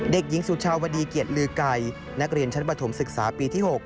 เด็กหญิงสุชาวดีเกียรติลือไก่นักเรียนชั้นปฐมศึกษาปีที่๖